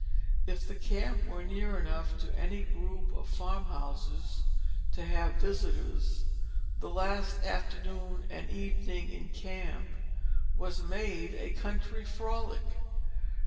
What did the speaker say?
If the camp were near enough to any group of farmhouses to have visitors, the last afternoon and evening in camp was made a country frolic.